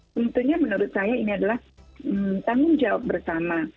tentunya menurut saya ini adalah tanggung jawab bersama